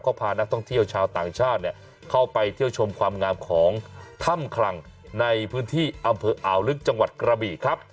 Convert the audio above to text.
ก็พานักท่องเที่ยวชาวต่างชาติเข้าไปเที่ยวชมความงามของถ้ำคลังในพื้นที่อำเภออ่าวลึกจังหวัดกระบีครับ